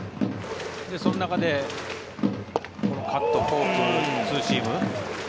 その中でカット、フォーク、ツーシーム。